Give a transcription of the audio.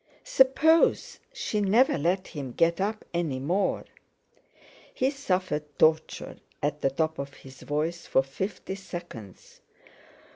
Suppose she never let him get up any more! He suffered torture at the top of his voice for fifty seconds.